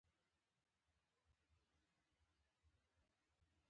د پېژندلو وېرېږي نو ارومرو کوم جرم یې ترسره کړی.